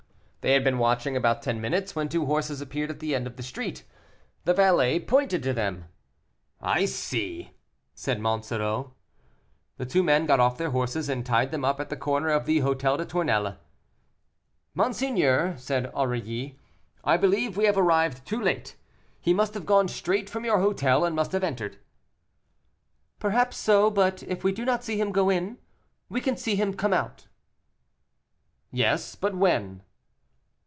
They had been watching about ten minutes, when two horses appeared at the end of the street. The valet pointed to them. "I see," said Monsoreau. The two men got off their horses, and tied them up at the corner of the Hôtel des Tournelles. "Monseigneur," said Aurilly, "I believe we have arrived too late; he must have gone straight from your hotel and must have entered." "Perhaps so; but if we did not see him go in, we can see him come out." "Yes, but when?"